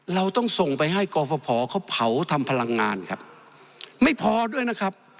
เราต้องส่งไปให้กรฟภเขาเผาทำพลังงานครับไม่พอด้วยนะครับ